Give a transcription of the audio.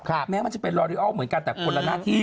แม้มันจะเป็นรอริอัลเหมือนกันแต่คนละหน้าที่